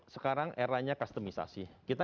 sekarang eranya customisasi kita